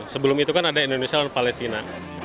sebelum itu kan ada indonesia dan palestina